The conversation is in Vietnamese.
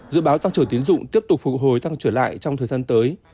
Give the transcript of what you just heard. dự báo tăng trưởng tiến dụng tiếp tục phục hồi tăng trở lại trong thời gian tới